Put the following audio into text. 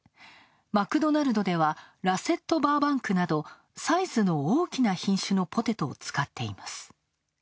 マクドナルドではラセットバーバンクなどサイズの大きな品種のポテトを使っています。